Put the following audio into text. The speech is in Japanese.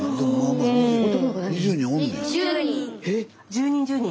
⁉１０人１０人？